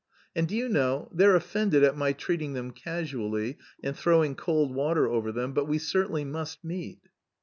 And do you know, they're offended at my treating them casually, and throwing cold water over them, but we certainly must meet."